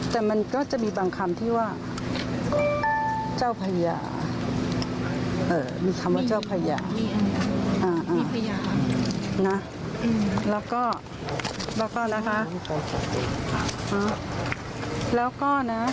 แต่มันก็จะมีบางคำที่ว่าเจ้าพระยาเออมีคำว่าเจ้าพระยาอ่านะแล้วก็แล้วก็นะคะแล้วก็นะ